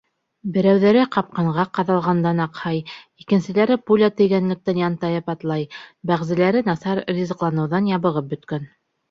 Берәүҙәре ҡапҡанға ҡаҙалғандан аҡһай, икенселәре пуля тейгәнлектән янтайып атлай, бәғзеләре насар ризыҡланыуҙан ябығып бөткән.